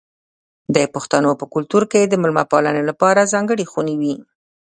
د پښتنو په کلتور کې د میلمه پالنې لپاره ځانګړې خونه وي.